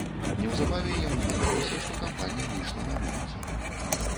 Неўзабаве яму падалося, што кампанія выйшла на вуліцу.